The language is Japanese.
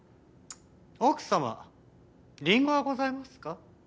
奥様リンゴはございますか？